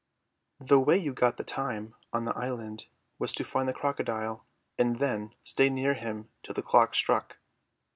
The way you got the time on the island was to find the crocodile, and then stay near him till the clock struck.